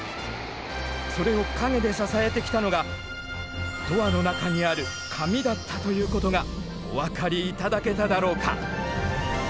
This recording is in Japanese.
それを陰で支えてきたのがドアの中にある紙だったということがお分かり頂けただろうか。